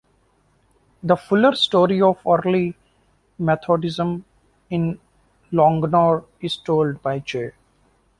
The fuller story of early Methodism in Longnor is told by J.